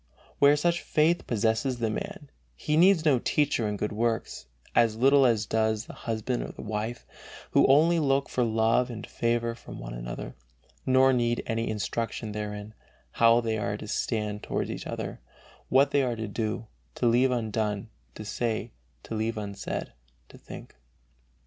Where such faith possesses the man, he needs no teacher in good works, as little as does the husband or the wife, who only look for love and favor from one another, nor need any instruction therein "how they are to stand toward each other, what they are to do, to leave undone, to say, to leave unsaid, to think."